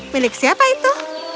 milik siapa itu